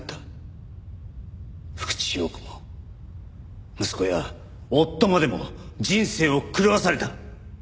福地陽子も息子や夫までも人生を狂わされた。